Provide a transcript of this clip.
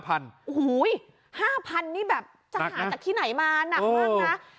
โอ้โห๕๐๐นี่แบบจะหาจากที่ไหนมาหนักมากนะ